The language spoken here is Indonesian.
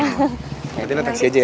berhati hati naik taksi aja ya